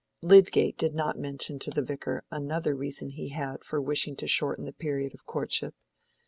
Lydgate did not mention to the Vicar another reason he had for wishing to shorten the period of courtship.